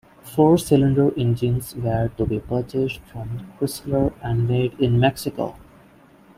Four-cylinder engines were to be purchased from Chrysler and made in Mexico.